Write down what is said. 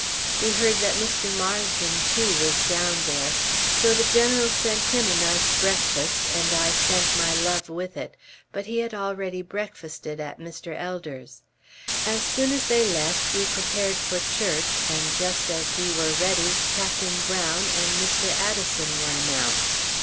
We heard that Mr. Marsden, too, was down there, so the General sent him a nice breakfast, and I sent my love with it; but he had already breakfasted at Mr. Elder's. As soon as they left, we prepared for church, and just as we were ready, Captain Brown and Mr. Addison were announced.